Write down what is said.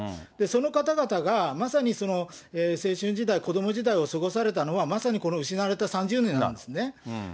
その方々が、まさにその青春時代、子ども時代を過ごされたのは、まさにこの失われた３０年なんですね。